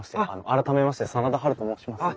改めまして真田ハルと申します。